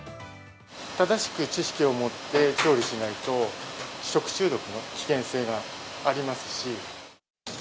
正しく知識を持って調理しないと、食中毒の危険性がありますし。